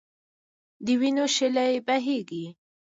د وینو شېلې بهېږي.